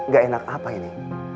gak enak apa ini